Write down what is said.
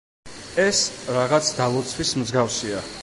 ეს, რაღაც დალოცვის მსგავსია.